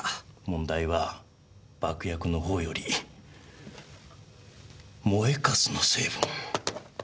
問題は爆薬の方より燃えカスの成分。